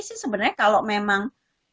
sih sebenarnya kalau memang